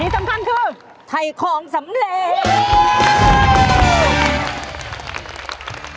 สำคัญคือไทยของสำเร็จ